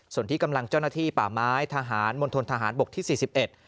ส่วนที่กำลังเจ้าหน้าที่ป่าไม้ทหารมณฑนทหารบกที่สี่สิบเอ็ด